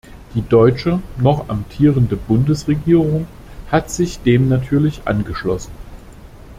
Die deutsche, noch amtierende, Bundesregierung hat sich dem natürlich angeschlossen.